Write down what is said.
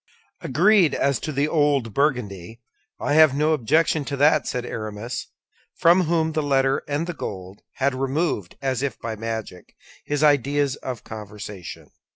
"Agreed, as to the old Burgundy; I have no objection to that," said Aramis, from whom the letter and the gold had removed, as by magic, his ideas of conversion.